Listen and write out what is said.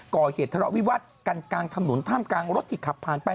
ก่อเหตุทะเลาะวิวาสกันกลางถนนท่ามกลางรถที่ขับผ่านไป